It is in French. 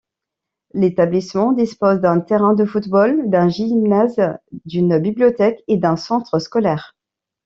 L’établissement dispose d’un terrain de football, d’un gymnase, d’une bibliothèque et d’un centre scolaire.